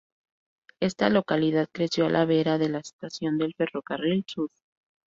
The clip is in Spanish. Esta localidad creció a la vera de la estación del Ferrocarril Sud.